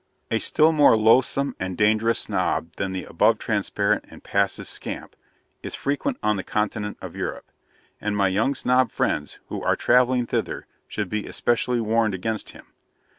A still more loathsome and dangerous Snob than the above transparent and passive scamp, is frequent on the continent of Europe, and my young Snob friends who are travelling thither should be especially warned against him.